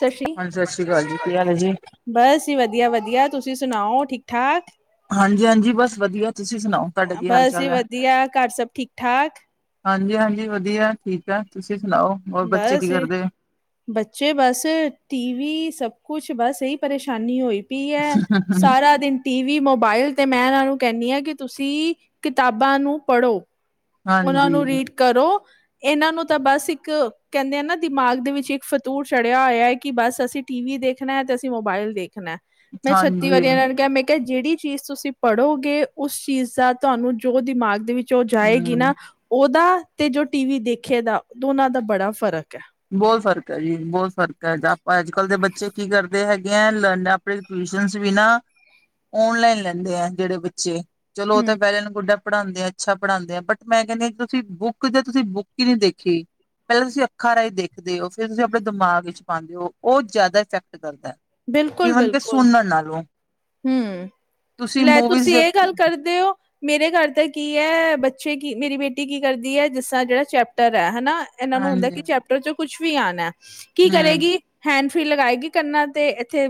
ਸਤਿ ਹਾਂਜੀ ਸਤਿ ਅਕਾਲ ਜੀ ਕੀ ਹਾਲ ਹੈ ਜੀ ਸ਼੍ਰੀ ਬਸ ਹੀ ਵਧੀਆ ਵਧੀਆ ਤੁਸੀਂ ਸੁਣਾਓ ਠੀਕ ਠਾਕ ਹਾਂਜੀ ਹਾਂਜੀ ਬਸ ਵਧੀਆ ਤੁਸੀਂ ਸੁਣਾਓ ਤੁਹਾਡਾ ਕੀ ਹਾਲ ਬਸ ਜੀ ਚਾਲ ਹੈ ਵਧੀਆ ਘਰ ਸਭ ਠੀਕ ਠਾਕ ਹਾਂਜੀ ਹਾਂਜੀ ਵਧੀਆ ਠੀਕ ਹੈ ਤੁਸੀਂ ਸੁਣਾਓ ਹੋਰ ਬੱਚੇ ਬਸ ਕੀ ਕਰਦੇ ਬੱਚੇ ਬਸ ਟੀਵੀ ਸਭ ਕੁਛ ਬਸ ਸਹੀ ਪਰੇਸ਼ਾਨੀ ਹੋਈ ਪਈ ਹੈ ਸਾਰਾ ਦਿਨ ਟੀ ਵੀ ਵੀ ਮੋਬਾਇਲ ਤੇ ਮੈਂ ਇਹਨਾਂ ਨੂੰ ਕਹਿੰਦੀ ਹਾਂ ਕਿ ਤੁਸੀਂ ਕਿਤਾਬਾਂ ਨੂੰ ਪੜੋ ਉਹਨਾਂ ਹਾਂਜੀ ਨੂੰ ਰੀਡ ਕਰੋ ਇਹਨਾਂ ਨੂੰ ਤਾਂ ਬਸ ਇੱਕ ਕਹਿੰਦੇ ਆ ਨਾ ਦਿਮਾਗ ਦੇ ਵਿੱਚ ਇੱਕ ਫਤੂੂਰ ਚੜਿਆ ਹੋਇਆ ਹੈ ਕਿ ਬਸ ਅਸੀਂ ਟੀ ਵੀ ਦੇਖਣਾ ਹੈ ਤੇ ਅਸੀਂ ਮੋਬਾਇਲ ਦੇਖਣਾ ਮੈਂ ਛੱਤੀ ਹਾਂਜੀ ਵਾਰੀ ਨਾਲ ਕਿਹਾ ਮੈਂ ਕਿ ਜਿਹੜੀ ਚੀਜ਼ ਤੁਸੀਂ ਪੜ੍ਹੋਗੇ ਉਸ ਚੀਜ਼ ਦਾ ਤੁਹਾਨੂੰ ਜੋ ਦਿਮਾਗ ਦੇ ਵਿੱਚ ਉਹ ਜਾਏਗੀ ਹਮ ਨਾ ਉਹਦਾ ਤੇ ਜੋ ਟੀ ਵੀ ਦੇਖੇ ਦਾ ਦੋਨਾਂ ਦਾ ਬੜਾ ਫ਼ਰਕ ਹੈ ਬਹੁਤ ਫ਼ਰਕ ਹੈ ਜੀ ਬਹੁਤ ਫਰਕ ਹੈ ਆਪਾਂ ਅੱਜ ਕੱਲ ਦੇ ਬੱਚੇ ਕੀ ਕਰਦੇ ਹੈਗੇ ਹੈ ਲਰਨ ਆਪਣੇ ਵੀ ਨਾ ਓਨਲਾਈਨ ਲੈਂਦੇ ਆ ਜਿਹੜੇ ਬੱਚੇ ਚਲੋ ਉਹ ਹੂੰ। ਤਾਂ ਪਹਿਲੇ ਗੁੱਡਾ ਪੜ੍ਹਾਉਦੇ ਅੱਛਾ ਪੜ੍ਹਾਉਦੇ ਬਟ ਮੈਂ ਕਹਿੰਦੀ ਹਾਂ ਤੁਸੀਂ ਬੁੱਕ ਜ ਤੁਸੀਂ ਬੁੱਕ ਹੀ ਨਹੀਂੀ ਦੇਖੀ ਪਹਿਲਾਂ ਤੁਸੀਂ ੱਖਾਂ ਰਾ ਹੀ ਦੇਖਦੇ ਹੋ ਫਿਰ ਤੁਸੀਂ ਆਪਣੇ ਦਿਮਾਗ ਵਿੱਚ ਪਾਉਂਦੇ ਹੋ ਉਹ ਜ਼ਿਆਦਾ ਇਫੈਕਟ ਕਰਦਾ ਹੈ ਈਵਨ ਕਿ ਸੁਨਰ ਨਾਲੋਂ ਹਮ ਲੈ ਮੂਵੀਜ਼ ਤੁਸੀਂ ਇਹ ਦੇਖ ਗੱਲ ਕਰਦੇ ਹੋ ਮੇਰੇ ਘਰ ਤਾਂ ਕੀ ਹੈ। ਬੱਚੇ ਕੀ ਮੇਰੀ ਬੇਟੀ ਕੀ ਕਰਦੀ ਹੈ ਜਿਸ ਤਰ੍ਹਾਂ ਜਿਹੜਾ ਚੈਪਟਰ ਹੈ ਹਨਾ ਇਹਨਾਂ ਨੂੰ ਹੁੰਦਾ ਹਾਂਜੀ ਕਿ ਚੈਪਟਰ ਚ ਕੁਛ ਵੀ ਆਉਣਾ ਕੀ ਹੂੰ ਕਰੇਗੀ ਹੈਂਡ ਫਿਰ ਲਗਾਏਗੀ ਕਰਨਾ ਅਤੇ ਇੱਥੇ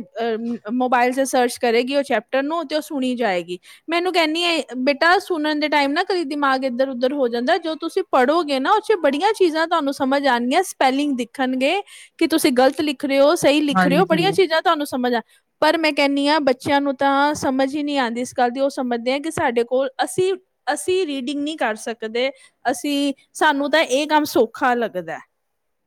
ਮੋਬਾਈਲ 'ਚ ਸਰਚ ਕਰੇਗੀ ਉਹ ਚੈਪਟਰ ਨੂੰ ਤੇ ਉਹ ਸੁਣੀ ਜਾਏਗੀ ਮੈਨੂੰ ਕਹਿੰਦੀ ਆ ਬੇਟਾ ਸੁਣਨ ਦੇ ਟਾਈਮ ਨਾ ਕਦੀ ਦਿਮਾਗ ਇੱਧਰ ਉੱਧਰ ਹੋ ਜਾਂਦਾ ਜੋ ਤੁਸੀਂ ਪੜ੍ਹੋਗੇ ਨਾ ਉਥੇ ਬੜੀਆਂ ਚੀਜ਼ਾਂ ਤੁਹਾਨੂੰ ਸਮਝ ਆਉਣਗੀਆਂ ਸਪੈਲਿੰਗ ਦੇਖਣਗੇ ਕਿ ਤੁਸੀਂ ਗ਼ਲਤ ਲਿਖ ਰਹੇ ਹੋ ਸਹੀ ਲਿਖ ਰਹੇ ਹੋ ਬੜੀਆਂ ਹਾਂਜੀ ਚੀਜ਼ਾਂ ਤੁਹਾਨੂੰ ਸਮਝ ਆ ਪਰ ਮੈਂ ਕਹਿੰਦੀ ਹਾਂ ਬੱਚੇ ਬੱਚਿਆਂ ਨੂੰ ਤਾਂ ਸਮਝ ਹੀ ਨਹੀਂ ਆਉਂਦੀ ਇਸ ਗੱਲ ਦੀ ਉਹ ਸਮਝਦੇ ਆ ਕਿ ਸਾਡੇ ਕੋਲ ਅਸੀਂ ਅਸੀਂ ਰੀਡਿੰਗ ਨਹੀਂ। ਕਰ ਸਕਦੇ ਅਸੀਂ ਸਾਨੂੰ ਤਾਂ ਇਹ ਕੰਮ ਸੌਖਾ ਲੱਗਦਾ।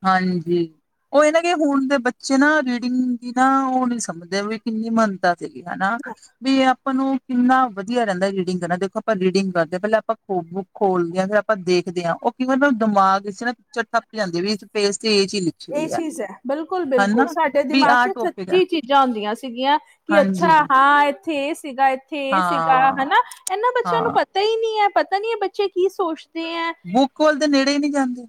ਹਾਂਜੀ। ਉਹ ਇਹ ਨਾ ਕਿ ਹੁਣ ਦੇ ਬੱਚੇ ਨਾ ਰੀਡਿੰਗ ਦੀ ਨਾ ਉਹ ਨੀ ਸਮਝਦੇ ਵੀ ਕਿੰਨੀ ਮਾਨਤਾ ਹਨਾ ਵੀ। ਆਪਾਂ ਨੂੰ ਕਿੰਨਾ ਵਧੀਆ ਰਹਿੰਦਾ ਰੀਡਿੰਗ ਕਰਨਾ ਦੇਖੋ ਆਪਾਂ ਰੀਡਿੰਗ ਕਰਦੇ ਹਾਂ ਪਹਿਲਾਂ ਆਪਾਂ ਖੋ ਬੁੱਕ ਖੋਲਦੇ ਹ ਫਿਰ ਆਪਾਂ ਦੇਖ ਕਦੇ ਆ ਉਹ ਕੀ ਮਤਲਬ ਦਿਮਾਗ ਨਾ ਪਿਕਚਰ ਥੱਪ ਜਾਂਦੇ ਵੀ। ਪੇਜ ਤੇ ਇਹ ਚੀਜ਼ ਲਿਖੀ ਇਹ ਹੋਈ ਚੀਜ਼ ਹੈ ਬਿਲਕੁਲ ਹਨਾ ਬਿਲਕੁਲ ਸਾਡੇ ਵੀ ਦਿਮਾਗ ਆਹ ਚ ਟੋਪਿਕ ਆ ਸੱਚੀ ਚੀਜ਼ਾਂ ਹੁੰਦੀਆਂ ਸੀਗੀਆਂ ਕਿ ਹਾਂਜੀ ਅੱਛਾ ਹਾਂ ਇੱਥੇ ਇਹ ਸੀਗਾ ਇੱਥੇ ਇਹ ਸੀਗਾ ਹਾਂ ਹਨਾ ਇਹਨਾਂ ਬੱਚਿਆਂ ਨੂੰ ਹਾਂ ਪਤਾ ਹੀ ਨਹੀਂ ਹੈ। ਪਤਾ ਨੀ ਹੈ ਬੱਚੇ ਕੀ ਸੋਚਦੇ। ਹੈ। ਬੁੱਕ ਵੱਲ ਦੇ ਨੇੜੇ ਹੀ ਨਹੀਂ ਜਾਂਦੇ।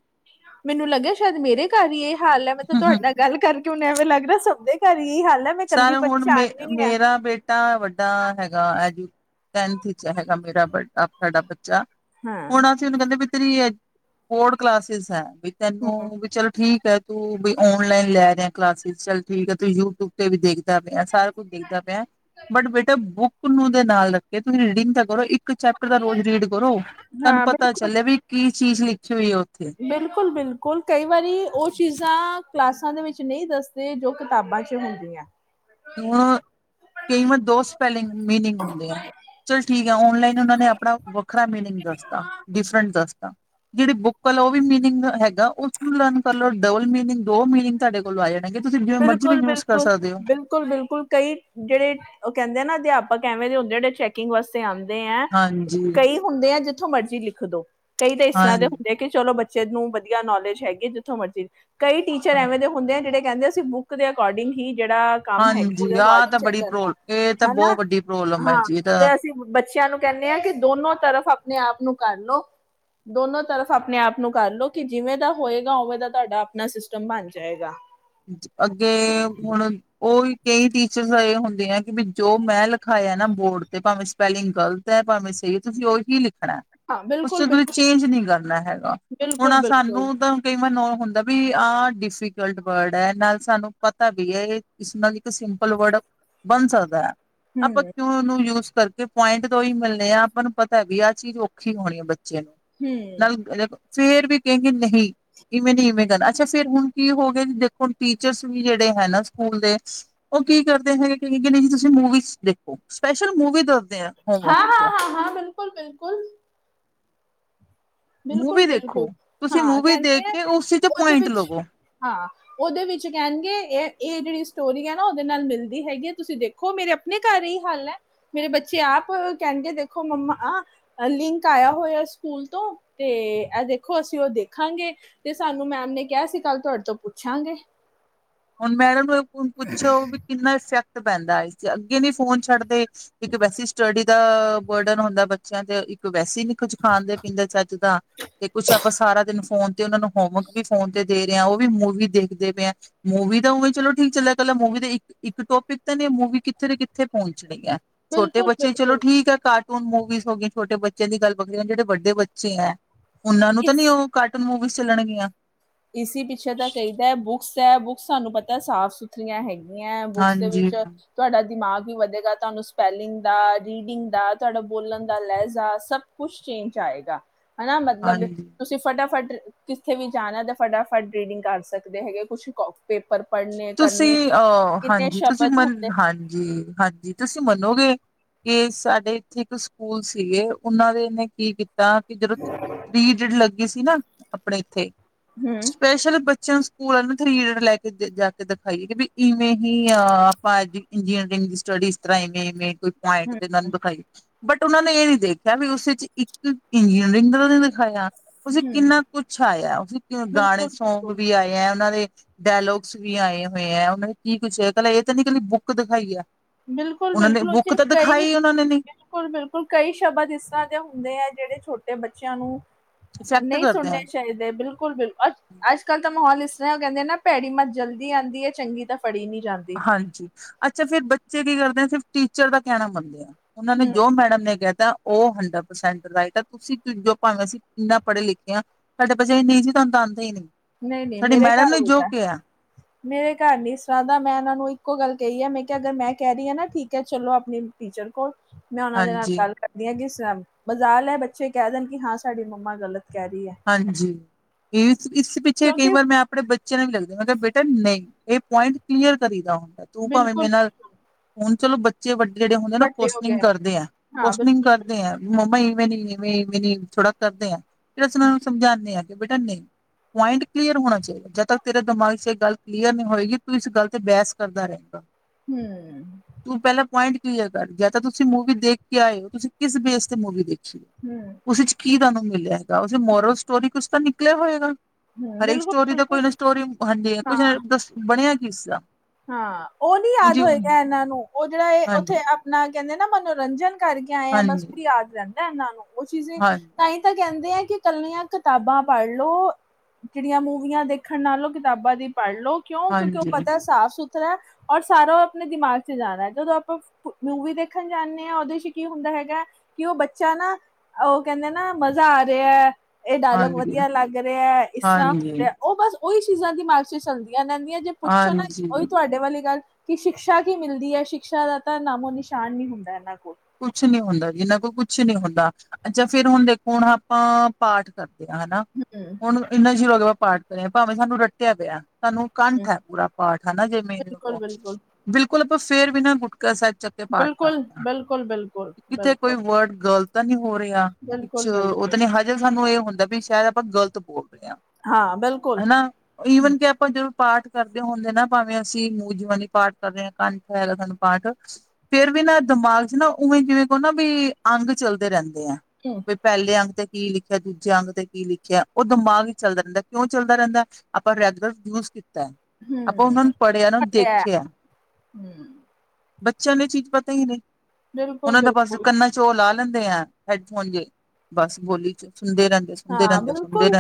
ਮੈਨੂੰ ਲੱਗਿਆ ਸ਼ਾਇਦ ਮੇਰੇ ਘਰ ਹੀ ਇਹ ਹਾਲ ਹੈ ਮੈਂ ਤੁਹਾਡੇ ਨਾਲ ਗੱਲ ਕਰਕੇ ਹੁਨ ਐਵੇਂ ਲੱਗਦਾ ਸਭਦੇ ਘਰ ਹੀ ਇਹੀ ਹਾਲ ਹੈ ਮੈਂ ਕੱਲੀ ਸਰ ਹੁਣ ਮੇ ਪਰੇਸ਼ਾਨ ਨਹੀਂ ਆ ਮੇਰਾ ਬੇਟਾ ਵੱਡਾ ਹੈਗਾ ਐਜੂ ਟੈਨਥ ਚ ਹੈਗਾ ਮੇਰਾ ਸਾਡਾ ਬੱਚਾ ਹਾਂ, ਹੁਣ ਅਸੀਂ ਉਹਨੂੰ ਕਹਿੰਦੇ ਵੀ। ਰੀ ਬੋਰਡ ਕਲਾਸਿਸ ਹੈ ਵੀ ਹੂੰ ਤੈਨੂੰ ਵੀ ਚਲ ਠੀਕ ਹੈ। ਤੂੰ ਬਈ ਔਨਲਾਈਨ ਲੈ ਰਿ ਕਲਾਸਿਸ ਚੱਲ ਠੀਕ ਆ ਤੂੰ ਯੂਟਿਊਬ ਉੱਤੇ ਵੀ ਦੇਖਦਾ ਪਿਆ ਸਾਰਾ ਕੁੱਝ ਦੇਖਦਾ ਪਿਆ। ਬਟ ਬੇਟਾ ਬੁੱਕ ਨੂੰ ਦੇ ਨਾਲ ਰੱਖੇ ਤੁਸੀਂ ਰੀਡਿੰਗ ਤਾਂ ਕਰੋ ਇੱਕ ਇੱਕ ਚੈਪਟਰ ਦਾ ਰੋਜ਼ ਰੀਡ ਕਰੋ ਤੁਹਾਨੂੰ ਹਾਂ ਪਤਾ ਚੱਲਿਆ ਵੀ ਕੀ ਚੀਜ਼ ਲਿਖੀ ਹੋਈ। ਉੱਥੇ ਬਿਲਕੁਲ ਬਿਲਕੁਲ। ਕੋਲ ਕਈ ਵਾਰੀ ਉਹ ਚੀਜ਼ਾਂ ਕਲਾਸਾਂ ਦੇ ਵਿੱਚ ਨਹੀਂ ਦੱਸਦੇ ਜੋ ਕਿਤਾਬਾਂ ਚ ਹੁੰਦੀਆਂ। ਹੁਣ ਕਈ ਵਾਰ ਦੋ ਸਪੈਲਿੰਗ ਮੀਨਿੰਗ ਹੁੰਦੇ ਆ। ਚੱਲ ਠੀਕ ਆ ਓਨਲਾਈਨ ਉਹ ਨੇ ਆਪਣਾ ਵੱਖਰਾ ਮੀਨਿੰਗ ਦੱਸਤਾ ਡਿਫਰੈਂਟ ਦੱਸ ਤਾ ਜਿਹੜੀ ਬੁੱਕ ਵਾਲ ਉਹ ਵੀ ਮੀਨਿੰਗ ਹੈਗਾ ਉਸਨੂੰ ਲਰਨ ਕਰ ਲਓ ਡਬਲ ਮੀਨਿੰਗ ਦੋ ਮੀਨਿੰਗ ਤੁਹਾਡੇ ਕੋਲੋਂ ਆ ਜਾ ਤੁਸੀਂ ਜ ਮਰਜ਼ੀ ਵੀ ਬਿਲਕੁਲ, ਯੂਜ ਕਰ ਬਿਲਕੁਲ, ਸਕਦੇ ਹੋ। ਬਿਲਕੁਲ ਬਿਲਕੁਲ ਕਈ ਜਿਹੜੇ ਉਹ ਕਹਿੰਦੇ ਨਾ ਅਧਿਆਪਕ ਐਵੇਂ ਦੇ ਹੁੰਦੇ ਜਿਹੜੇ ਚੈਕਿੰਗ ਵਾਸਤੇ ਆਉਂਦੇ। ਹਾਂਜੀ ਕਈ ਹੁੰਦੇ ਆ ਜਿੱਥੋਂ ਮਰਜ਼ੀ ਲਿਖ ਦੋ ਕਈ ਤਾਂ ਇਸ ਤਰ੍ਹਾਂ ਹਾਂਜੀ ਦੇ ਹੁੰਦੇ ਆ ਕਿ ਚਲੋ ਬੇ ਬੱਚਿਆਂ ਨੂੰ ਵਧੀਆ ਨੌਲੇਜ ਹੈਗੀ ਹੈ ਜਿੱਥੋਂ ਮਰਜ਼ੀ ਕਈ ਟੀਚਰ ਐਵੇਂ ਹਾਂਜੀ। ਦੇ ਹੁੰਦੇ ਆ ਜਿਹੜੇ ਕਹਿੰਦੇ ਬੁੱਕ ਦੇ ਅਕੋਡਿੰਗ ਹੀ ਜਿਹੜਾ ਕੰਮ ਹੈ ਹਾਂਜੀ ਆਹ ਤਾਂ ਚੈੱਕ ਬੜੀ ਕਰਨਾ ਪ੍ਰੋ ਇਹ ਤਾਂ ਹੈਨਾ। ਬਹੁਤ ਵੱਡੀ ਪ੍ਰੋਬਲਮ ਹੈ ਹਾਂ ਜੀ ਇਹ ਤਾਂ ਤੇ ਅਸੀਂ ਬੱਚਿਆਂ ਨੂੰ ਕਹਿੰਦੇ ਹਾਂ ਕਿ ਦੋਨੋ ਤਰਫ ਆਪਣੇ ਆਪ ਨੂੰ ਕਰ ਲਓ ਦੋਨੋ ਤਰਫ ਆਪਣੇ ਆਪ ਨੂੰ ਕਰਲੋ ਕਿ ਜਿਵੇਂ ਦਾ ਹੋਏਗਾ ਉਵੇਂ ਦਾ ਤੁਹਾਡਾ ਆਪਣਾ ਸਿਸਟਮ ਬਣ ਜਾਏਗਾ। ਅੱਗੇ ਹੁਣ ਉਹੀ। ਕਈ ਟੀਚਰ ਇਹ ਹੁੰਦੇ ਆ ਕਿ ਵੀ ਜੋ ਮੈਂ ਲਿਖਾਇਆ ਨਾ ਬੋਰਡ ਤੇ ਭਾਵੇਂ ਸਪੈਲਿੰਗ ਗਲਤ ਹੈ ਭਾਵੇਂ ਚ ਤੁਸੀਂ ਉਹੀ ਲਖ ਣਾ ਹਾਂ, ਉਸ ਚ ਤੁਸੀਂ ਬਿਲਕੁਲ-ਬਿਲਕੁਲ, ਚੇਂਜ ਨਹੀਂੀ ਕਰਨਾ ਹੈਗਾ ਹੁਣ ਬਿਲਕੁਲ-ਬਿਲਕੁਲ, ਸਾਨੂੰ ਤਾਂ ਕਈ ਮੈਨੂੰ ਹੁੰਦਾ ਵੀ ਆਹ ਡਿਫੀਕਲਟ ਵਰਡ ਹੈ ਨਾਲ ਸਾਨੂੰ ਪਤਾ ਵੀ ਹੈ। ਇਹ ਕਿਸ ਨਾਲ ਸਿੰਪਲ ਵਰਡ ਬਣ ਸਕਦਾ ਹੈ। ਆਪਾਂ ਹੂੰ, ਕਿਉ ਉਸ ਨੂੰ ਯੂਜ ਕਰਕੇ ਪੁਆਇੰਟ ਤੋਂ ਹੀ ਮਿਲਣੇ ਆ ਆਪਾਂ ਨੂੰ ਪਤਾ ਵੀ ਆਹ ਚੀਜ਼ ਔਖੀ ਹੋਣੀ ਹੈ ਬੱਚੇ ਹੂੰ, ਫੇਿਰ ਵੀ ਕਹਿੰਗੇ ਨਹੀਂ ਇਵੇਂ ਨਹੀਂ ਇਵੇਂ ਕਰਨਾ ਅੱਛਾ ਫੇਿਰ ਹੁਣ ਕੀ ਹੋ। ਜ ਦੇਖੋ ਹੁ ਟੀਚਰਸ ਵੀ ਜਿਹੜੇ ਹੈ। ਨਾ ਸਕੂਲ ਦੇ ਉਹ ਕੀ ਕਰਦੇ ਹੈਗੇ ਕਿੰ ਜੀ ਤੁਸੀਂ ਮੂਵੀ ਦੇਖੋ ਸਪੈਸ਼ਲ ਮੂਵੀ ਦਾ ਹਾਂ ਹਾਂ ਹਾਂ ਹਾਂ ਬਿਲਕੁਲ ਬਿਲਕੁਲ ਬਿਲਕੁਲ ਮੂਵੀ ਦੇਖੋ ਬਿਲਕੁਲ ਤੁਸੀਂ ਹਾਂ ਮੂਵੀ ਦੇਖ ਕਹਿੰਦੇ ਆ ਕੇ ਉਸ ਚੀਜ਼ ਦੇ ਉਹਦੇ ਪੁਆਇੰਟ ਵਿੱਚ ਲਵੋ ਹਾਂ ਉਹਦੇ ਵਿੱਚ ਕਹਿਣਗੇ ਇਹ ਇਹ ਜਿਹੜੀ ਸਟੋਰੀ ਹੈ ਨਾ ਉਹਦੇ ਨਾਲ ਮਿਲਦੀ ਹੈਗੀ ਹੈ ਤੁਸੀਂ ਦੇਖੋ ਮੇਰੇ ਆਪਣੇ ਘਰ ਹੀ ਹੱਲ ਹੈ ਮੇਰੇ ਬੱਚੇ ਆ ਆਪ ਕਹਿੰਗੇ ਦੇਖੋ ਮੰਮਾ ਲਿੰਕ ਆਇਆ ਹੋਇਆ ਸਕੂਲ ਤੋਂ ਤੇ ਇਹ ਦੇਖੋ ਅਸੀਂ ਉਹ ਦੇਖਾਂਗੇ ਤੇ ਸਾਨੂੰ ਮੈਮ ਨੇ ਕਿਹਾ ਸੀ ਕੱਲ ਤੁਹਾਡੇ ਤੋਂ ਪੁੱਛਾਂਗੇ ਹ ਹੁਣ ਮੈਡਮ ਨੂੰ ਪੁੱਛੋ ਵੀ ਕਿੰਨਾ ਇਫੈਕਟ ਪੈਂਦਾ ਸੀ ਅੱਗੇ ਨੀ ਫੋਨ ਛੱਡਦੇ ਇੱਕ ਵੈਸੇ ਸਟੱਡੀ ਦਾ ਬਰਡਨ ਹੁੰਦਾ ਬੱਚਿਆਂ ਤੇ ਇੱਕ ਵੈਸੇ ਹੀ ਨੀ ਕੁੱਝ ਖਾਂਦੇ ਪੀਂਦੇ ਚੱਜ ਦਾ ਤੇ ਕੁੱਛ ਆਪਾਂ ਸਾਰਾ ਦਿਨ ਫੋਨ ਤੇ ਉਹ ਨੂੰ ਹੋਮਵਰਕ ਵੀ ਫੋਨ ਤੇ ਦੇ ਰਿਹਾ ਉਹ ਵੀ ਮੂਵੀ ਦੇਖਦੇ ਪਏ ਆ ਮੂਵੀ ਦਾ ਉਵੇਂ ਚਲੋ ਠੀਕ ਚੱਲਿਆ ਮੂਵੀ ਦੇ ਇੱਕ ਟੋਪਿਕ ਤਾਂ ਨੇ ਮੂਵੀ ਕਿੱਥੇ ਤੇ ਕਿੱਥੇ ਪਹੁੰਚਣੀ ਹੈ ਛੋਟੇ ਬੱਚੇ ਚਲੋ ਬਿਲਕੁਲ-ਬਿਲਕੁਲ, ਠੀਕ ਹੈ ਘਟ ਹੁਣ ਮੂਵੀਜ਼ ਹੋ ਗਈ ਛੋਟੇ ਬੱਚਿਆਂ ਦੀ ਗੱਲ ਬਰੀ ਜਿਹੜੇ ਵੱਡੇ ਬੱਚੇ ਹੈ ਉਹਨਾਂ ਨੂੰ ਤਾਂ ਨਹੀਂੀ ਉਹ ਕਾਰਟੂਨ ਮੂਵੀ ਚੱਲਣਗੀਆਂ ਇਸ ਪਿੱਛੇ ਤਾਂ ਕਹੀਦਾ ਬੁੱਕਸ ਹੈ ਬੁੱਕਸ ਤੁਹਾਨੂੰ ਪਤਾ ਸਾਫ਼ ਸੁਥਰੀਆਂ ਹੈਗੀਆਂ ਬੁੱਕਸ ਦੇ ਹਾਂਜੀ ਵਿੱਚ ਤੁਹਾਡਾ ਦਿਮਾਗ ਵੀ ਵਧੇਗਾ ਤੁਹਾਨੂੰ ਸਪੈਲਿੰਗ ਦਾ ਰੀਡਿੰਗ ਦਾ ਤੁਹਾਡਾ ਬੋਲਣ ਦਾ ਲਹਿਜਾ ਸਭ ਕੁਛ ਚੇਂਜ ਆਏਗਾ ਹਨਾ ਮਤਲਬ ਹਾਂਜੀ ਤੁਸੀਂ ਫਟਾਫਟ ਕਿੱਥੇ ਵੀ ਜਾਣਾ ਤਾਂ ਫਟਾਫਟ ਰੀਡਿੰਗ ਕਰ ਸਕਦੇ ਹੈਗੇ ਕੁਛ ਪੇਪਰ ਪੜ੍ਹਨੇ ਤੁਸੀਂ ਕਰਨੇ ਅਹ ਕਿੰਨੇ ਹਾਂਜੀ ਤੁਸੀਂ ਸ਼ਬਦ ਮਨ ਹੁੰਦੇ ਹਾਂਜੀ ਹਾਂਜੀ ਤੁਸੀਂ ਤੁਸੀਂ ਮੰਨੋਗੇ ਕਿ ਸਾਡੇ ਇੱਥੇ ਇੱਕ ਸਕੂਲ ਸੀਗੇ ਉਹਨਾਂ ਦੇ ਨੇ ਕੀ ਕੀਤਾ ਤਾਂ ਕਿ ਜਦੋਂ ਤੀ ਜਿੜ ਲੱਗੀ ਸੀ ਨਾ ਆਪਣੇ ਇੱਥੇ ਹੂੰ ਸਪੈਸ਼ਲ ਬੱਚਿਆਂ ਨੂੰ ਸਕੂਲਾਂ ਨੇ ਥਰੀ ਈਡਟ ਲੈ ਕੇ ਜਾ ਕੇ ਦਿਖਾਈਏ ਕਿ ਵੀ ਇਵੇਂ ਹੀ ਆਪਾਂ ਇੰਜੀਨੀਅਰਿੰਗ ਦੀ ਸਟੱਡੀ ਇਸ ਤਰ੍ਹਾਂ ਇਵੇਂ ਇਵੇਂ ਕੋਈ ਮਾਈਡ ਹੂੰ ਤੇ ਨੰਬ ਕਈ ਬਟ ਉਹਨਾਂ ਨੇ ਇਹ ਨੀ ਦੇਖਿਆ ਵੀ ਉਸ ਚ ਇੱਕ ਇੰਜੀਨੀਅਰਿੰਗ ਦਾ ਉਹਨੇ ਦਿਖਾਇਆ ਉ ਹੂੰ ਕਿੰਨਾ ਕੁਛ ਆਇਆ ਗਾਣੇ ਬਿਲਕੁਲ ਸੌਂਗ ਬਿਲਕੁਲ ਵੀ ਆਏ ਹੈ ਉਹਨਾਂ ਦੇ ਡਾਇਲੋਗ ਵੀ ਆਏ ਹੋਏ ਹੈ ਉਹ ਨੇ ਕੀ ਕੁੱਛ ਕਹਿ ਇਹ ਤਾਂ ਨੀ ਇਕਲੀ ਬੁੱਕ ਦਿਖਾਈ ਹੈ ਬਿਲਕੁਲ-ਬਿਲਕੁਲ ਉੱਥੇ ਕਈ ਉਹਨਾਂ ਨੇ ਨੀ ਬਿਲਕੁਲ-ਬਿਲਕੁਲ ਕਈ ਸ਼ਬਦ ਇਸ ਤਰ੍ਹਾਂ ਦੇ ਹੁੰਦੇ ਹੈ ਜਿਹੜੇ ਛੋਟੇ ਬੱਚਿਆਂ ਨੂੰ ਇਫੈਕਟ ਨਹੀਂ ਕਰਦੇ ਸੁਣੇ ਆ ਚਾਹੀਦੇ ਬਿਲਕੁਲ-ਬਿਲਕੁਲ ਅੱਜ ਕੱਲ ਤਾਂ ਮਾਹੌਲ ਉਹ ਕਹਿੰਦੇ ਨਾ ਭੈੜੀ ਮਤ ਜਲਦੀ ਆਉਂਦੀ ਹੈ ਚੰਗੀ ਤਾਂ ਫੜੀ ਨਹੀਂ ਜਾਂਦੀ ਹਾਂਜੀ ਅੱਛਾ ਫਿਰ ਬੱਚੇ ਕੀ ਕਰਦੇ ਆ ਸਿਰਫ ਟੀਚਰ ਦਾ ਕਹਿਣਾ ਮੰਨਦੇ ਆ ਉਹਨਾਂ ਨੇ ਹਮ ਜੋ ਮੈਡਮ ਨੇ ਕਹਿਤਾ ਉਹ ਹੰਡਰਡਪ੍ਰਸੈਂਟ ਰਾਈਟ ਆ ਤੁਸੀਂ ਜੋ ਭਾਵੇਂ ਅਸੀਂ ਇੰਨਾ ਪੜ੍ਹੇ ਲਿਖੇ ਹਾਂ ਸਾਡੇ ਬੱਚਾ ਨਹੀਂ ਸੀ ਤੁਹਾਨੂੰ ਦ ਆਉਂਦਾ ਹੀ ਨਹੀਂ ਨਹੀਂ ਨਹੀਂ ਸਾਡੀ ਮੇਰੇ ਮੈਡਮ ਘਰ ਨੇ ਜੋ ਉਲਟਾ ਹੈ ਕਿਹਾ ਮੇਰੇ ਘਰ ਨੀ ਸਰ ਦਾ ਮੈਂ ਇਹਨਾਂ ਨੂੰ ਇੱਕੋ ਗੱਲ ਕਹੀ ਹੈ ਮੈਂ ਕਿਹਾ ਅਗਰ ਮੈਂ ਕਹਿ ਰਹੀ ਹਾਂ ਨਾ ਠੀਕ ਹੈ ਚਲੋ ਆਪਣੀ ਟੀਚਰ ਕੋਲ ਮੈਂ ਉਹਨਾਂ ਦੇ ਨਾਲ ਹਾਂਜੀ ਗੱਲ ਕਰਦੀ ਹਾਂ ਕਿ ਮਜ਼ਾਲੈ ਬੱਚੇ ਕਹਿ ਦੇਣ ਕਿ ਹਾਂ ਸਾਡੀ ਮੰਮਾ ਗਲਤ ਕਹਿ ਰਹੀ ਹੈ ਹਾਂਜੀ ਇਸ-ਇਸ ਪਿੱਛੇ ਕਈ ਕਿਉਂਕਿ ਵਾਰ ਮੈਂ ਆਪਣੇ ਬੱਚਿਆਂ ਨੂੰ ਵੀ ਲੱਗਦਾ ਮੈਂ ਕਿਹਾ ਬੇਟਾ ਨਹੀਂ ਇਹ ਪੁਆਇੰਟ ਕਲੀਅਰ ਕਰੀ ਦਾ ਹੁੰਦਾ ਤੂੰ ਭਾਵੇਂ ਬਿਲਕੁਲ ਮੇਰੇ ਨਾਲ ਹ ਚਲੋ ਬੱਚੇ ਵੱਡੇ ਜਿਹੜੇ ਹੁੰਦੇ ਉਹ ਵੱਡੇ ਹੋ ਕੋਸਟਿਂਗ ਗਏ ਕਰਦੇ ਆ ਹਾਂ ਕੋਸਟਿਂਗ ਬਿਲਕੁਲ ਬਿਲਕੁਲ ਕਰਦੇ ਆ ਮੰਮਾ ਹੀ ਵੇਂ ਨੀਵੇਂਵੇ ਨੀ ਥੋੜਾ ਕਰਦੇ ਆਾਂ ਜਿਹੜਾ ਅਂ ਉਹ ਨੂੰ ਸਮਝਾਉਂਦੇ ਹਾਂ ਕਿ ਬੇਟਾ ਨਹੀਂ ਪੁਆਇੰਟ ਕਲੀਅਰ ਹੋਣਾ ਚਾਹੀਦਾ ਜਦ ਤੱਕ ਤੇਰੇ ਦਿਮਾਗ ਚ ਇਹ ਗੱਲ ਕਲੀਅਰ ਨਹੀਂ ਹੋਏਗੀ ਤੂੰ ਇਸ ਗੱਲ ਤੇ ਬਹਿਸ ਕਰਦਾ ਰਹੇਗਾ ਹਮ ਤੂੰ ਪਹਿਲਾ ਪੁਆਇੰਟ ਕਲੀਅਰ ਕਰ ਗਿਆ ਤਾਂ ਤੁਸੀਂ ਮੂਵੀ ਦੇਖ ਕੇ ਆਏ ਹੋ ਤੁਸੀਂ ਕਿਸ ਬੇਸ ਤੇ ਮੂਵੀ ਦੇਖ ਹਮ ਉਸ ਚ ਕੀ ਤੁਹਾਨੂੰ ਮਿਲਿਆ ਹੈਗਾ ਉਸਦੀ ਮੋਰਲ ਸਟੋਰੀ ਕੁਛ ਤਾਂ ਨਿਕਲਿਆ ਹੋਏਗਾ ਹਮ ਹਰੇਕ ਬਿਲਕੁਲ ਸਟੋਰੀ ਦਾ ਕੋਈ ਬਿਲਕੁਲ ਨਾ ਸਟੋਰੀ ਹਾਂਜੀ ਕੁਛ ਹਾਂ ਨਾ ਦ ਬਣਿਆ ਕੀ ਇਸਦਾ ਹਾਂ ਉਹ ਨੀ ਯਾਦ ਹੋਏਗਾ ਇਹਨਾਂ ਨੂੰ ਉਹ ਜਿਹੜਾ ਇਹ ਹਾਂਜੀ ਉੱਥੇ ਆਪਣਾ ਕਹਿੰਦੇ ਨਾ ਮਨੋਰੰਜਨ ਕਰਕੇ ਆਏ ਆ ਬਸ ਫ ਹਾਂਜੀ ਯਾਦ ਰਹਿੰਦਾ ਇਹਨਾਂ ਨੂੰ ਉਹ ਚੀਜ਼ ਤਾਂ ਹਾਂਜੀ ਹੀ ਤਾਂ ਕਹਿੰਦੇ ਆ ਕਿ ਇਕੱਲੀਆਂ ਕਿਤਾਬਾਂ ਪੜ ਲੋ ਜਿਹੜੀਆਂ ਮੂਵੀਆਂ ਦੇਖਣ ਨਾਲੋਂ ਕਿਤਾਬਾਂ ਦੀ ਪੜ੍ਹਲੋ ਕਿਉਂ ਕਿਉਂਕਿ ਉਹ ਹਾਂਜੀ ਪਤਾ ਸਾਫ਼ ਸੁਥਰਾ ਔਰ ਸਾਰਾ ਆਪਣੇ ਦਿਮਾਗ ਚ ਜਾ ਰਿ ਜਦੋਂ ਆਪਾਂ ਮੂਵੀ ਦੇਖਣ ਜਾਂਦੇ ਹਾਂ ਉਹਦੇ ਚ ਕੀ ਹੁੰਦਾ ਹੁੰਦਾ ਹੈਗਾ ਕਿ ਉਹ ਬੱਚਾ ਨਾ ਉਹ ਕਹਿੰਦੇ ਨਾ ਮਜ਼ਾ ਆ ਰਿਹਾ ਇਹ ਡਾਇਲੋਗ ਹਾਂਜੀ, ਵਧੀਆ ਲੱਗ ਰਿਹਾ ਹੈ ਇਸ ਤਰ੍ਹਾਂ ਹਾਂਜੀ, ਉਹ ਬਸ ਉਹੀ ਚੀਜ਼ਾਂ ਦਿਮਾਗ ਚ ਚੱਲਦੀ ਨਨਦੀਆਂ ਜੇ ਪੁੱਛੋ ਨਾ ਹਾਂਜੀ ਉਹੀ ਤੁਹਾਡੇ ਵਾਲੀ ਗੱਲ ਕਿ ਸ਼ਿਕਸ਼ਾ ਕੀ ਮਿਲਦੀ ਹੈ ਸ਼ਿਕਸ਼ਾ ਦਾ ਤਾਂ ਨਾਮੋ ਨਿਸ਼ਾਨ ਨ ਹੁੰਦਾ ਇਹਨਾਂ ਕੋਲ ਕੁਛ ਨੀ ਹੁੰਦਾ ਜੀਨਾਂ ਕੋਲ ਕੁਛ ਨੀ ਹੁੰਦਾ ਅੱਛਾ ਫੇਿਰ ਹੁਣ ਦੇਖੋ ਹੁਣ ਆਪਾਂ ਪਾਠ ਕਰਦੇ ਹੈਨਾ ਹਮ, ਹੁਣ ਇੰਨਾ ਸ਼ੁਰੂ ਹੋ ਕੇਾਂ ਪਾਠ ਕਰਿਆ ਭਾਵੇਂ ਸਾਨੂੰ ਰੱਟਿਆ ਪਿਆ ਸਾਨੂੰ ਹਮ, ਕੰਠ ਹੈ ਪੂਰਾ ਪਾਠ ਹਨਾ ਜਿਵੇਂ ਬਿਲਕੁਲ ਬਿਲਕੁਲ ਬਿਲਕੁਲ ਆਪਾਂ ਫੇਰ ਵੀ ਨਾ ਗੁਟਕਾ ਕੇ ਪਾਠ ਬਿਲਕੁਲ ਕਰਦੇ ਹਾਂ ਬਿਲਕੁਲ ਬਿਲਕੁਲ ਕਿੱਥੇ ਕੋਈ ਬਿਲਕੁਲ ਵਰਡ ਗਲਤ ਨੀ ਹੋ ਰਿਹਾ ਕੁਛ ਬਿਲਕੁਲ ਉਹ ਤਾਂ ਬਿਲਕੁਲ ਨ ਹਜੇ ਸਾਨੂੰ ਇਹ ਹੁੰਦਾ ਵੀ ਸ਼ਾਇਦ ਆਪਾਂ ਗ਼ਲਤ ਬੋਲਦੇ ਹਾਂ ਬਿਲਕੁਲ ਹਨਾ ਹਮ, ਈਵਨ ਕਿ ਆਪਾਂ ਜਦੋਂ ਪਾਠ ਕਰਦੇ ਹੁੰਦੇ ਨਾ ਭਾਵੇਂ ਅਸੀਂ ਮੂਜਬਾਨੀ ਪਾਠ ਕਰਦੇ ਹਾਂ ਕੰਠ ਹੈ ਸਾਨੂ ਪਾਠ ਫੇਿਰ ਵੀ ਨਾ ਦਿਮਾਗ ਨਾ ਉਵੇਂ ਜਿਵੇਂ ਕੋ ਨਾ ਵੀ ਅੰਗ ਚੱਲਦੇ ਰਹਿੰਦੇ ਆ ਹਮ, ਵੀ ਪਹਿਲੇ ਅੰਗ ਤੇ ਕੀ ਲਿਖ ਿਆ ਦੂਜੇ ਅੰਗ ਤੇ ਕੀ ਲਿਖਿਆ ਉਹ ਦਿਮਾਗ ਹੀ ਚੱਲਦਾ ਰਹਿੰਦਾ ਕਿਉਂ ਚਲਦਾ ਰਹਿੰਦਾ ਆਪਾਂ ਰੈਗੂਲਰ ਯੂਜ ਕੀਤਾ ਆਪਾਂ ਹਮ, ਉਹਨਾਂ ਨੂੰ ਪੜ੍ਹਿਆ ਨੂੰ ਹੈ ਦੇਖੇਿਆ ਹਮ। ਬੱਚਿਆਂ ਨੂੰ ਚੀਜ਼ ਪਤਾ ਹੀ ਨਹੀਂ ਬਿਲਕੁਲ ਉਹਨਾਂ ਦਾ ਬਸ ਬਿਲਕੁਲ ਕੰਨਾ ਚੋਲ ਲਾ ਲੈਣ ਲੈਂਦੇ ਆ ਹੈਡਫੋਨ ਜੇ ਬਸ ਬੋਲੀ ਚਲੌ ਹਾਂ ਬਿਲਕੁਲ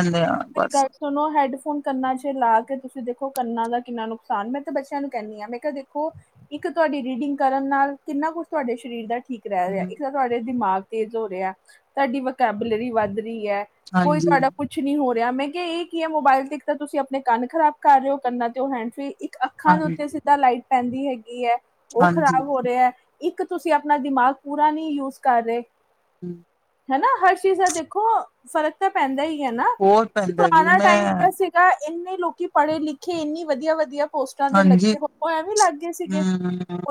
ਮੇਰੀ ਬਸ ਗੱਲ ਸੁਣੋ ਹੈਡਫੋਨ ਕੰਨਾ ਚ ਲਾ ਕੇ ਤੁਸੀਂ ਦੇਖੋ ਕੰਨਾਂ ਦਾ ਕਿੰਨਾ ਨੁਕਸਾਨ ਮੈਂ ਤਾਂ ਬੱਚਿਆਂ ਨੂੰ ਕਹਿੰਦੀ ਹਾਂ ਮੈਂ ਕਿਹਾ ਦੇਖੋ ਇੱਕ ਤੁਹਾਡੀ ਰੀਡਿੰਗ ਕਰਨ ਨਾਲ ਕਿੰਨਾ ਕੁ ਕੁ ਤੁਹਾਡੇ ਸਰੀਰ ਦਾ ਠੀਕ ਰਹਿ ਰਿਹਾ ਹਮ ਇਸ ਤਾਂ ਤੁਹਾਡੇ ਦਿਮਾਗ ਤੇਜ਼ ਹੋ ਰਿਹਾ ਹੈ ਤੁਹਾਡੀ ਵਕੈਬੂਲਰੀ ਵੱਧ ਰਹੀ ਹੈ ਕੋਈ ਹਾਂਜੀ ਤੁਹਾਡਾ ਕੁੱਛ ਨਹੀਂੀ ਹੋ ਰਿ ਮੈਂ ਕਿਹਾ ਇਹ ਕੀ ਹੈ ਮੋਬਾਇਲ ਤੇ ਇੱਕ ਤਾਂ ਤੁਸੀਂ ਆਪਣੇ ਕੰਨ ਖ਼ਰਾਬ ਕਰ ਰਹੇ ਹੋ ਕੰਨਾਂ ਤੇ ਹੈਂਡ ਫਰੀ ਅੱਖਾਂ ਦੇ ਹਾਂਜੀ ਉੱਤੇ ਸਿੱਧਾ ਲਾਈਟ ਪੈਂਦੀ ਹੈਗੀ ਹੈ ਉਹ ਹਾਂਜੀ, ਖ਼ਰਾਬ ਹੋ ਰਿਹਾ ਹੈ ਇੱਕ ਤੁਸੀਂ ਆਪਣਾ ਦਿਮਾਗ ਪੂਰਾ ਨਹੀਂ ਯੂਜ ਕਰ ਰਹੇ [unintelligible] ਹਨਾ ਹਰ ਚੀਜ਼ ਦਾ ਦੇਖੋ ਫ਼ਰਕ ਤਾਂ ਪੈਂਦਾ ਹੀ ਹੈ ਨਾ ਬਹੁਤ ਪੈਂਦਾ ਜੀ ਪੁਰਾਣਾ ਮੈਂ ਟਾਈਮ ਸੀਗਾ ਇੰਨੇ ਲੋਕੀ ਪੜ੍ਹੇ ਲਿਖੇ ਇੰਨੀ ਵਧੀਆ ਵਧੀਆ ਪੋਸਟਾਂ ਤੇ ਹਾਂਜੀ, ਲੱਗੇ ਹੋ ਉਹ ਐਵੇਂ ਲੱਗ ਗਏ ਸੀਗੇ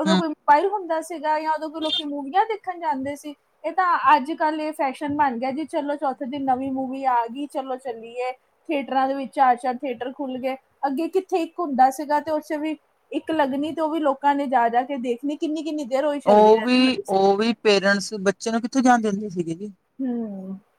ਉਦੋਂ ਕੋਈ ਮੋਬਾਈਲ ਹੁੰਦਾ ਸੀਗਾ ਜਾਂ ਉਦੋਂ ਕੋਈ ਲੋਕੀ ਮੂਵੀਆਂ ਦੇਖਦੇ ਦੇਖਣ ਜਾਂਦੇ ਸੀ ਇਹ ਤਾਂ ਅੱਜ ਕੱਲ ਇਹ ਫੈਸ਼ਨ ਬਣ ਗਿਆ ਜੀ ਚਲੋ ਚੌਥ ਥੇ ਦੀ ਨਵੀਂ ਮੂਵੀ ਆ ਗਈ ਚਲੋ ਚੱਲੀਏ ਥੀਏਟਰਾਂ ਦੇ ਵਿੱਚ ਚਾਰ ਚਾਰ ਥੀਏਟਰ ਖੁੱਲ ਗਏ ਅੱਗੇ ਕੀ ਜੱਥੇ ਇੱਕ ਹੁੰਦਾ ਸੀਗਾ ਤੇ ਉੱਥੇ ਵੀ ਇੱਕ ਲੱਗਣੀ ਤੇ ਉਹ ਵੀ ਲੋਕਾਂ ਨੇ ਜਾ ਜਾ ਕੇ ਦੇਖਣੀ ਕਿੰਨੀ ਕਿੰਨੀ ਦੇਰ ਉਹੀ ਚੱਲਦੀ ਉਹ ਰਹਿੰਦੀ ਵੀ ਹੁੰਦੀ ਸੀ। ਉਹ ਵੀ ਪੇਰੈਂਟਸ ਬੱਚੇ ਨੂੰ ਕਿੱਥੋਂ ਜਾਣ ਦਿੰਦੇ ਸੀਗੇ ਜੀ। [unintelligible]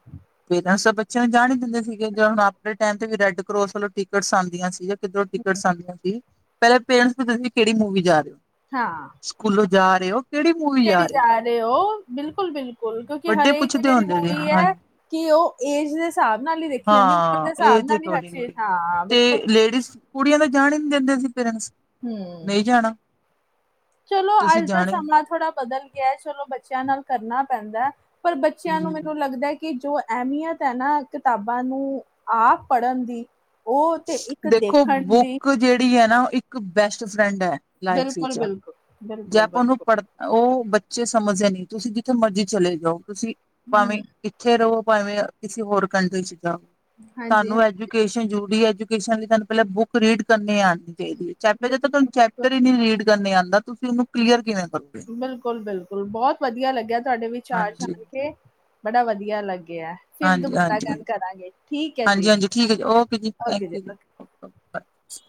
ਪੇਰੈਂਟਸ ਤਾਂ ਬੱਚਿਆਂ ਨੂੰ ਜਾਣ ਹੀ ਦਿੰਦੇ ਸੀਗੇ ਜ ਹੁਣ ਆਪਣੇ ਟਾਈਮ ਤੇ ਵੀ ਰੈਡ ਕਰੋਸ ਵੱਲੋਂ ਟਿਕਟਸ ਆਉਂਦੀਆਂ ਸੀ ਕਿੱਧਰ ਟਿਕਟਸ ਆਂਦੀਆਂ ਸੀ ਪਹਿਲੇ ਪੇਰੈਂਟਸ ਪੁੱਛਦੇ ਸੀ ਕਿਹੜੀ ਮੂਵੀ ਜਾ ਰਹੇ ਹੋ ਹਾਂ ਸਕੂਲੋਂ ਜਾ ਰਹੇ ਹੋ ਕਿਹੜੀ ਮੂਵੀ ਜਾ ਕਿਹੜੀ ਗਾ ਰਹੇ ਹੋ ਬਿਲਕੁਲ ਬਿਲਕੁਲ ਕਿਉਂਕਿ ਵੱਡੇ ਹਰੇ ਦੀ ਪੁੱਛਦੇ ਜਿਹੜੀ ਹੁੰਦੇ ਸੀ ਮੂਵੀ ਹਾਂ, ਹੈ ਕਿ ਉਹ ਏਜ ਦੇ ਹਿਸਾਬ ਨਾਲ ਹੀ ਦੇਖੀ ਜਾਂਦੀ ਉਮਰ ਦੇ ਹਾਂ ਹਿਸਾਬ ਏਜ ਨਾਲ ਹੀ ਹਰ ਅਕੋਰਡਿੰਗ ਚੀਜ਼ ਹਾਂ ਤੇ ਬਿਲਕੁਲਿਲ ਲੇਡੀਜ਼ ਕੁੜੀਆਂ ਤਾਂ ਜਾਣ ਹੀ ਨਹੀਂ ਦਿੰਦੇ ਸੀ ਪੇਰੈਂਟਸ ਹੂੰ ਨਹੀਂ ਜਾਣਾ ਚਲੋ ਤੁਸੀਂ ਅੱਜ ਦਾ ਜਾਣਾ ਹੀ ਨੀ। ਸਮਾਂ ਥੋੜ੍ਹਾ ਬਦਲ ਗਿਆ ਚਲੋ ਬੱਚਿਆਂ ਨਾਲ ਕਰਨਾ ਪੈਂਦਾ ਪਰ ਬੱਚਿਆਂ ਨੂੰ ਹੂੰ। ਮੈਨੂੰ ਲੱਗਦਾ ਕਿ ਜੋ ਅਹਿਮੀਅਤ ਹੈ ਨਾ ਕਿਤਾਬਾਂ ਨੂੰ ਆਪ ਪੜ੍ਹਨ ਦੀ ਉਹ ਤੇ ਇੱਕ ਦੇਖੋ ਦੇਖਣ ਦੀ ਬੁੱਕ ਜਿਹੜੀ ਹੈ ਨਾ ਇੱਕ ਬੈਸਟ ਫਰੈਂਡ ਹੈ ਲਾਇਕ ਸੀ ਚਾ ਬਿਲਕੁਲ-ਬਿਲਕੁਲ, ਜੇ ਆਪਾਂ ਉਹਨੂੰ ਬਿਲਕੁਲ-ਬਿਲਕੁਲ ਪੜ੍ਹ ਉਹ ਬੱਚੇ ਸਮਝਦੇ ਨਹੀਂੀ ਤੁਸੀਂ ਜਿੱਥੇ ਮਰਜ਼ੀ ਚਲੇ ਜਾਓ ਤੁਸੀਂ ਹੂੰ ਭਾਵੇਂ ਈਥੇ ਰਹੋ ਭਾਵੇਂ ਕਿਸੇ ਹੋਰ ਕੰਟਰੀ ਚ ਜਾਵ ਹਾਂਜੀ, ਹਾਂਜੀ ਤੁਹਾਨੂੰ ਐਜੂਕੇਸ਼ਨ ਜਰੂਰੀ ਹੈ ਤੁਹਾਨੂੰ ਪਹਿਲਾਂ ਬੁੱਕ ਰੀਡ ਕਰਨੀ ਆਉਣੀ ਚਾਹੀ ਹੈ ਚੈ ਜਦ ਤੁਹਾਨੂੰ ਬਿਲਕੁਲ-ਬਿਲਕੁਲ ਚੈਪਟਰ ਹੀ ਨੀ ਰੀਡ ਕਰਨੇ ਆਉਂਦਾ ਤੁਸੀਂ ਇਹਨੂੰ ਕਲੀਅਰ ਕਿਵੇਂ ਕਰੋਗੇ ਬਿਲਕੁਲ ਬਿਲਕੁਲ ਬਹੁਤ ਵਧੀਆ ਲੱਗਿਆ ਤੁਹਾਡੇ ਵਿਚਾਰ ਹਾਂਜੀ ਜਾਣ ਕੇ ਬੜਾ ਵਧੀਆ ਲੱਗ ਫਿਰ ਹਾਂਜੀ ਦੋਬਾਰਾ ਹਾਂਜੀ ਗੱਲ ਕਰਾਂਗੇ ਠੀਕ ਹੈ ਹਾਂਜੀ ਜੀ ਹਾਂਜੀ ਠੀਕ ਹੈ ਜੀ ਓਕੇ ਜੀ ਓਕੇ ਥੈਂਕ ਯੂ ਓਕੇ ਜੀ ਓਓ ਬਾਏ